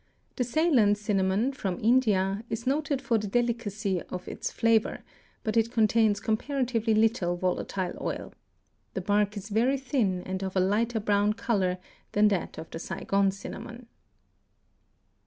The Ceylon cinnamon, from India, is noted for the delicacy of its flavor, but it contains comparatively little volatile oil. The bark is very thin and of a lighter brown color than that of the Saigon cinnamon.